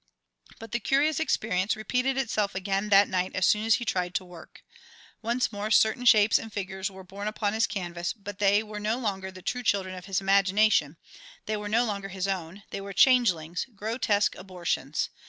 But the curious experience repeated itself again that night as soon as he tried to work. Once more certain shapes and figures were born upon his canvas, but they were no longer the true children of his imagination, they were no longer his own; they were changelings, grotesque abortions.